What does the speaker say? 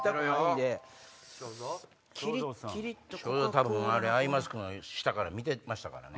多分あれアイマスクの下から見てましたからね。